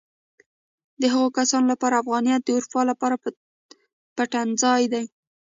د هغو کسانو لپاره افغانیت د اروپا لپاره پټنځای دی.